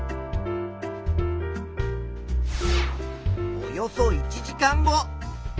およそ１時間後。